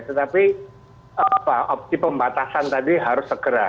tetapi opsi pembatasan tadi harus segera